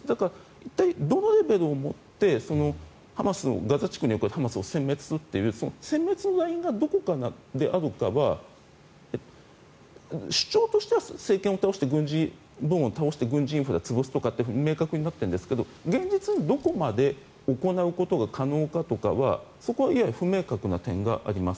一体どのレベルをもってガザ地区にいるハマスをせん滅するというそのせん滅のラインがどこであるかは主張としては政権を倒して軍事部門を倒して潰すというくらい明確になっているんですが現実にどこまで行うことが可能かとかはそこは不明確な点があります。